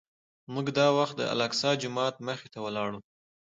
موږ دا وخت د الاقصی جومات مخې ته ولاړ وو.